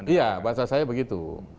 iya bahasa saya begitu